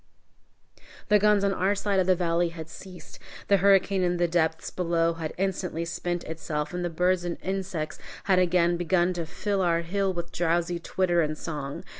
The guns on our side of the valley had ceased, the hurricane in the depths below had instantly spent itself, and the birds and insects had again begun to fill our hill with drowsy twitter and song.